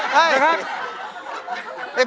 นะครับ